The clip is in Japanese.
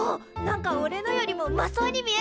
なんかおれのよりもうまそうに見えっぞ！